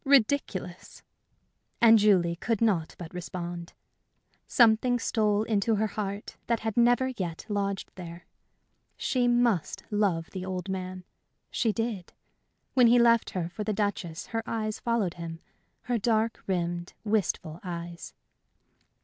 Ridiculous! And Julie could not but respond. Something stole into her heart that had never yet lodged there. She must love the old man she did. When he left her for the Duchess her eyes followed him her dark rimmed, wistful eyes.